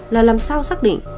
là làm sao xác định